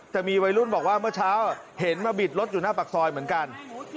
แต่มีวัยรุ่นบอกว่าเมื่อเช้าเห็นมาบิดรถอยู่หน้าปากซอยเหมือนกัน